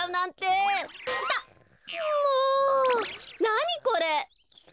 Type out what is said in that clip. なにこれ！？